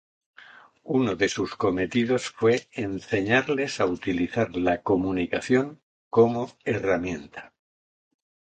Uno de sus cometidos fue enseñarles a utilizar la comunicación como herramienta.